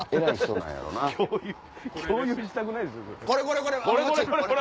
これこれ！